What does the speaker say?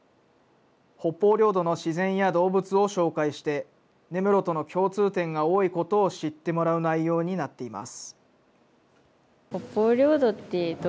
北方領土の自然や動物を紹介して、根室との共通点が多いことを知ってもらう内容になっています。